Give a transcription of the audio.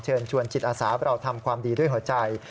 เชิญชวนจิตอาสาเราทำความดีด้วยหัวใจ